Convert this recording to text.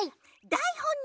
だいほんに